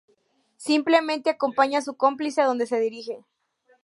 Simplemente acompaña a su cómplice a donde se dirige.